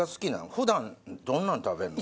普段どんなん食べるの？